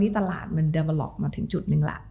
ตลอดมาถึงจุด๑